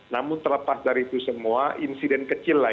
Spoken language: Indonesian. namun terlepas dari itu semua insiden kecil lah